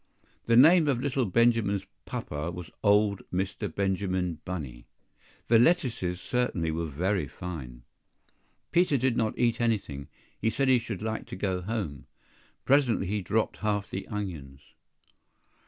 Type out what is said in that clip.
(The name of little Benjamin's papa was old Mr. Benjamin Bunny.) The lettuces certainly were very fine. PETER did not eat anything; he said he should like to go home. Presently he dropped half the onions.